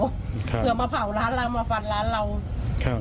ครับเผื่อมาเผ่าร้านเรามาฝันร้านเราใช่